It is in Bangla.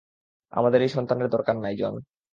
আমাদের এই সন্তানের দরকার নাই, জন।